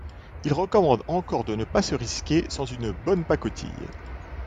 Il recommande encore de ne pas se risquer sans une bonne pacotille.